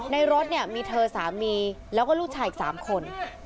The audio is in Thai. รถเนี่ยมีเธอสามีแล้วก็ลูกชายอีก๓คน